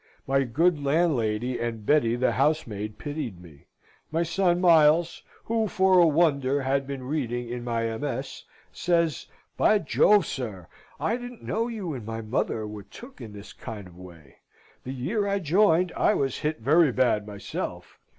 My good landlady and Betty the housemaid pitied me. My son Miles, who, for a wonder, has been reading in my MS., says, "By Jove, sir, I didn't know you and my mother were took in this kind of way. The year I joined, I was hit very bad myself.